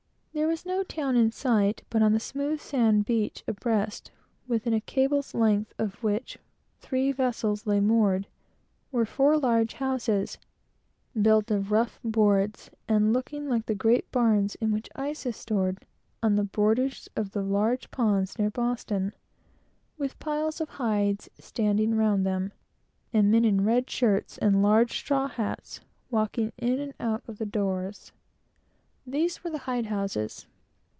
There was no town in sight, but on the smooth sand beach, abreast, and within a cable's length of which three vessels lay moored, were four large houses, built of rough boards, and looking like the great barns in which ice is stored on the borders of the large ponds near Boston; with piles of hides standing round them, and men in red shirts and large straw hats, walking in and out of the doors. These were the hide houses.